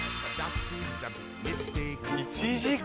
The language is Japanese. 「１時間！？